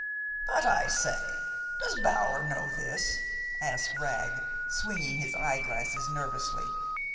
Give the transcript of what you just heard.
"But, I say, does Bower know this?" asked Wragg, swinging his eyeglasses nervously.